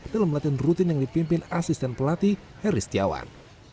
dalam latihan rutin yang dipimpin asisten pelatih heri setiawan